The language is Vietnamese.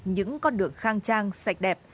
những con đường khang trang sạch đẹp